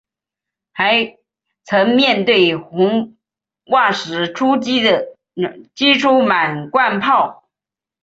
还曾面对红袜时击出满贯炮。